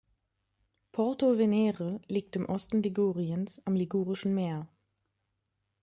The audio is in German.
Porto Venere liegt im Osten Liguriens am Ligurischen Meer.